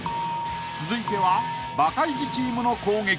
［続いてはバカイジチームの攻撃］